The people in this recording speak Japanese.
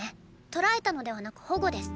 捕らえたのではなく保護です。